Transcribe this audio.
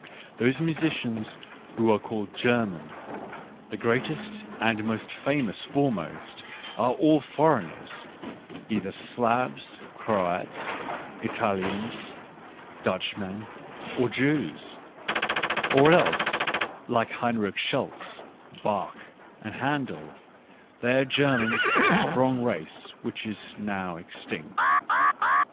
Those musicians who are called German, the greatest and most famous foremost, are allforeigners, either Slavs, Croats, Italians, Dutchmen — or Jews ; or else, like Heinrich Schutz, Bach, and Handel, they are Ger mans of a strong race which is now extinct.